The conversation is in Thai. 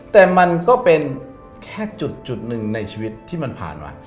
แต่มันก็เป็นแค่จุดหนึ่งในชีวิตที่มันผ่านมา